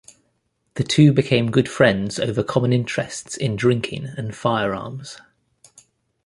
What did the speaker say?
The two became good friends over common interests in drinking and firearms.